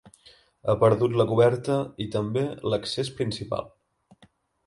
Ha perdut la coberta i també l'accés principal.